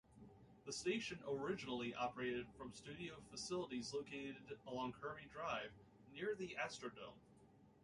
The station originally operated from studio facilities located along Kirby Drive, near the Astrodome.